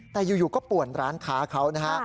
แต่อยู่ก็ป่วนร้านค้าเขานะฮะ